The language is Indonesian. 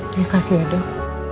terima kasih ya dok